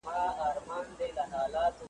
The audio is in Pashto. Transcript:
د واسکټونو دا بد مرغه لړۍ .